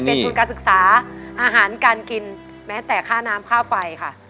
เป็นทุนการศึกษาอาหารการกินแม้แต่ค่าน้ำค่าไฟค่ะ